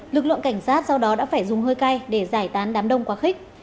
lực lượng cảnh sát sau đó đã phải dùng hơi cay để giải tán đám đông quá khích